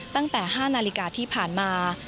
ตั้งแต่๕นาฬิกาที่ผ่านมา